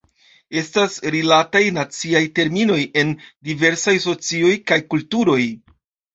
Estas rilataj naciaj terminoj en diversaj socioj kaj kulturoj.